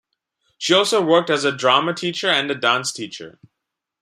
She also worked as a drama teacher and a dance teacher.